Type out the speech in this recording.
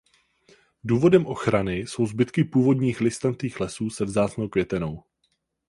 Důvodem ochrany jsou zbytky původních listnatých lesů se vzácnou květenou.